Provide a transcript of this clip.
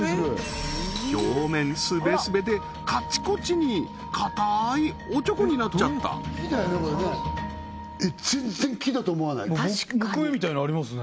表面スベスベでカチコチにかたいおちょこになっちゃった全然木だと思わない木目みたいのありますね